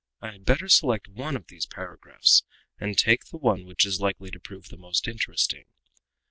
I had better select one of these paragraphs, and take the one which is likely to prove the most interesting.